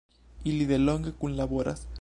Ili delonge kunlaboras.